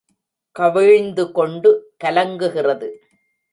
கவிழ்ந்து கொண்டு கலங்குகிறது.